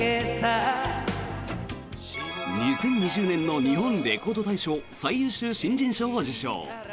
２０２０年の日本レコード大賞最優秀新人賞を受賞。